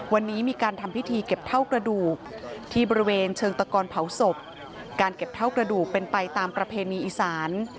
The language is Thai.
วันนี้มีการทำพิธีเก็บเท่ากระดูกที่บริเวณเชิงตะกอนเผาศพการเก็บเท่ากระดูกเป็นไปตามประเพณีอีสาน